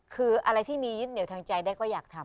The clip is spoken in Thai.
คืออะไรที่มียึดเหนียวทางใจได้ก็อยากทำ